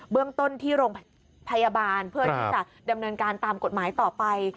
เรื่องต้นที่โรงพยาบาลเพื่อที่จะดำเนินการตามกฎหมายต่อไป